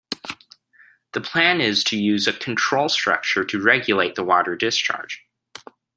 The plan is to use a control structure to regulate the water discharge.